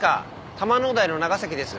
多摩農大の長崎です。